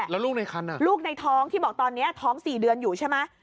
แล้วลูกในคันลูกในท้องที่บอกตอนนี้ท้อง๔เดือนอยู่ใช่ไหม